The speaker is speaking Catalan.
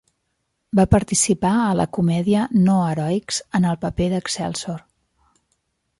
Va participar a la comèdia "No Heroics" en el paper d'Excelsor.